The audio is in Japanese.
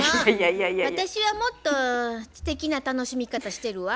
私はもっと知的な楽しみ方してるわ。